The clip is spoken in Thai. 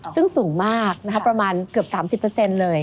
ซึ่งสูงมากประมาณเกือบ๓๐เลย